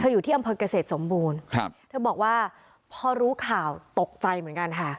เธออยู่ที่อัมเภิกเศษสมบูรณ์เธอบอกว่าพอรู้ข่าวตกใจเหมือนกันค่ะ